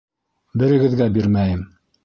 Берегеҙгә бирмәйем!